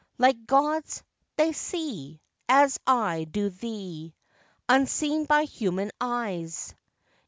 Like gods, they see, As I do thee, Unseen by human eyes.